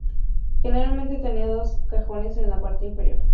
Generalmente tenía dos cajones en la parte inferior.